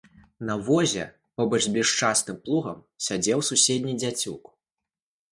На возе, побач з блішчастым плугам сядзеў суседні дзяцюк.